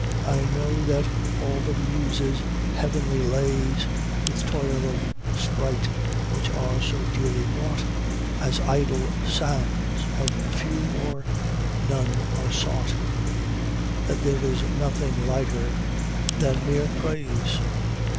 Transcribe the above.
I know that all the muse's heavenly lays, With toil of sprite which are so dearly bought, As idle sounds, of few or none are sought, That there is nothing lighter than mere praise."